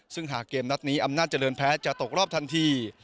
ซึ่งหากเกมนัดนี้อำนาจเจริญแพ้จะตกรอบทันที